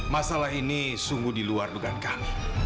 masalah ini sungguh diluar dugaan kami